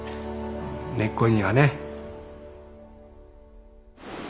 根っこにはね。